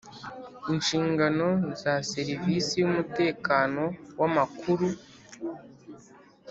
Inshingano za serivisi y umutekano w amakuru